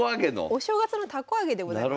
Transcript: お正月のたこ揚げでございます。